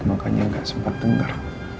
makanya gak sempat denger